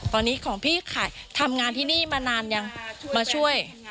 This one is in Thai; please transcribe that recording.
ตอนนี้ของพี่ทำงานที่นี่มานานยังมาช่วย